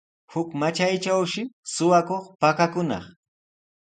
Huk matraytrawshi suqakuq pakakunaq.